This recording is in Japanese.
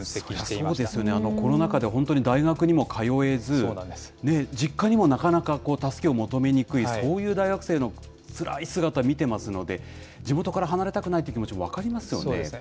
そりゃそうですよね、コロナ禍で本当に大学にも通えず、実家にもなかなか助けを求めにくい、そういう大学生のつらい姿見てますので、地元から離れたくないという気持ちも分かりますよね。